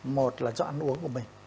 một là do ăn uống của mình